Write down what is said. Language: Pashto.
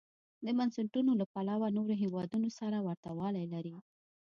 د بنسټونو له پلوه نورو هېوادونو سره ورته والی لري.